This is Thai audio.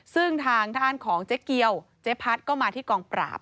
ซึ่งทางด้านของเจ๊เกียวเจ๊พัดก็มาที่กองปราบ